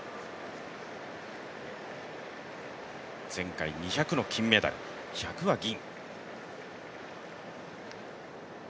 前回２００の金メダル、１００は銀。